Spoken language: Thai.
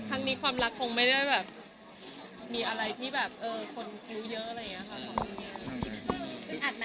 ครั้งนี้ความรักคงไม่ได้แบบมีอะไรที่แบบคนรู้เยอะอะไรอย่างนี้ค่ะ